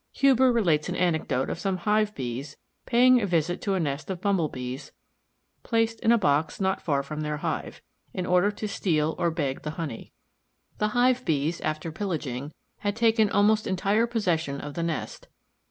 Huber relates an anecdote of some Hive bees paying a visit to a nest of Bumble bees, placed in a box not far from their hive, in order to steal or beg the honey. The Hive bees, after pillaging, had taken almost entire possession of the nest.